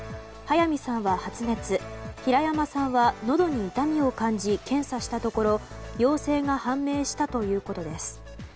速水さんは発熱平山さんは、のどに痛みを感じ検査したところ陽性が判明したということです。